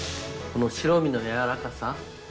この白身のやわらかさ。